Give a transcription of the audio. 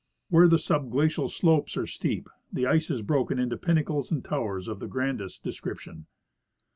Where the subglacial slopes are steep, the ice is broken into pinnacles and towers of the grandest description.